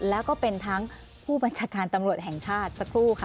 แล้วก็เป็นทั้งผู้บัญชาการตำรวจแห่งชาติสักครู่ค่ะ